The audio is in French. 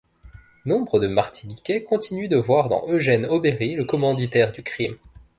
Nombre de Martiniquais continuent de voir dans Eugène Aubéry le commanditaire du crime.